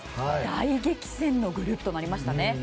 大激戦のグループとなりましたね。